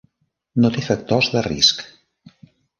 No té factors de risc.